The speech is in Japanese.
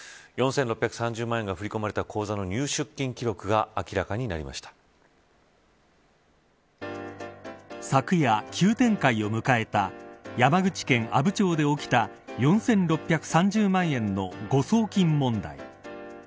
４６３０万円が振り込まれた口座の入出金記録が昨夜、急展開を迎えた山口県阿武町で起きた４６３０万円の誤送金問題。